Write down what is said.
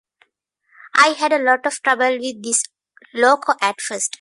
I had a lot of trouble with this loco at first.